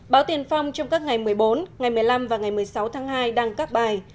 báo tiền phong trong các ngày một mươi bốn ngày một mươi năm và ngày một mươi sáu tháng hai đăng các bài